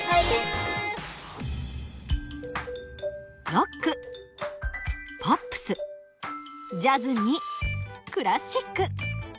ロックポップスジャズにクラシック。